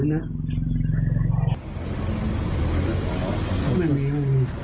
ตรงนี้ไม่มีตังษ์